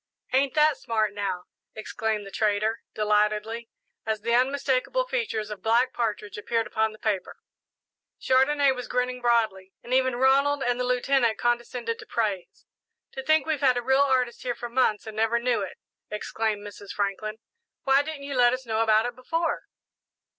"Ain't that smart, now!" exclaimed the trader, delightedly, as the unmistakable features of Black Partridge appeared upon the paper. Chandonnais was grinning broadly, and even Ronald and the Lieutenant condescended to praise. "To think that we've had a real artist here for months and never knew it!" exclaimed Mrs. Franklin. "Why didn't you let us know about it before?"